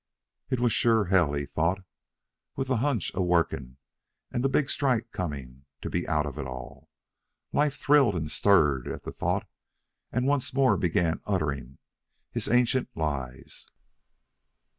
It was sure hell, he thought, with the hunch a working and that big strike coming, to be out of it all. Life thrilled and stirred at the thought and once more began uttering his ancient lies.